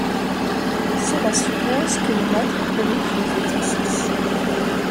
Cela suppose que le maître corrige les exercices.